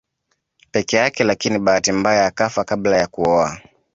Peke yake lakini bahati mbaya akafa kabla ya kuoa